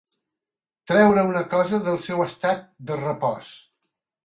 Treure una cosa del seu estat de repòs.